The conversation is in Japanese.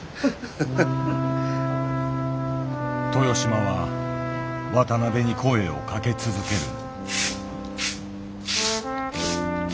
豊島は渡辺に声をかけ続ける。